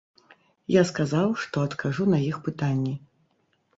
Я сказаў, што адкажу на іх пытанні.